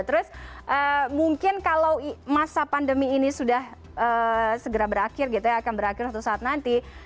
terus mungkin kalau masa pandemi ini sudah segera berakhir gitu ya akan berakhir suatu saat nanti